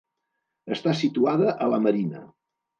Està situada a la Marina.